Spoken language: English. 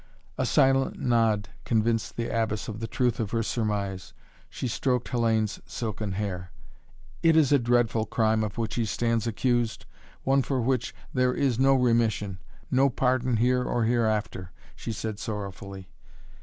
A silent nod convinced the Abbess of the truth of her surmise. She stroked Hellayne's silken hair. "It is a dreadful crime of which he stands accused, one for which there is no remission no pardon here or hereafter," she said sorrowfully.